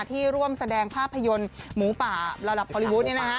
ที่ร่วมแสดงภาพยนตร์หมูป่าระดับพอลิวุธเนี่ยนะฮะ